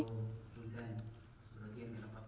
cảm ơn quý vị đã theo dõi và hẹn gặp lại